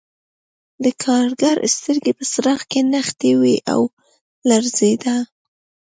د کارګر سترګې په څراغ کې نښتې وې او لړزېده